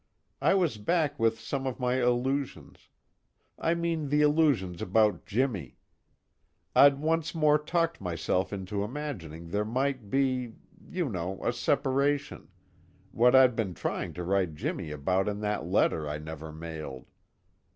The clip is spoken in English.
I was back with some of my illusions. I mean the illusions about Jimmy. I'd once more talked myself into imagining there might be you know, a separation, what I'd been trying to write Jimmy about in that letter I never mailed.